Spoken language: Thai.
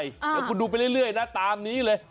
เดี๋ยวคุณดูไปเรื่อยนะตามนี้เลย